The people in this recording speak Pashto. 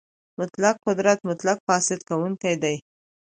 مطلق قدرت مطلق فاسد کوونکی دی.